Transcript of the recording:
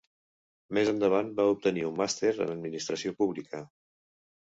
Més endavant va obtenir un Màster en administració pública.